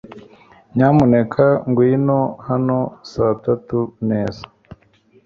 Nyamuneka ngwino hano saa tatu neza.